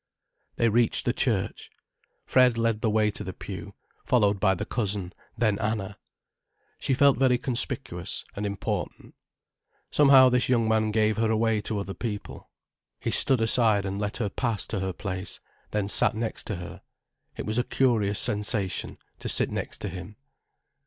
They reached the church. Fred led the way to the pew, followed by the cousin, then Anna. She felt very conspicuous and important. Somehow, this young man gave her away to other people. He stood aside and let her pass to her place, then sat next to her. It was a curious sensation, to sit next to him.